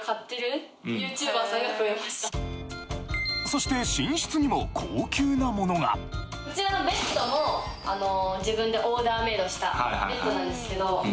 そして寝室にも高級なものがこちらのベッドもあの自分でオーダーメイドしたベッドなんですけど。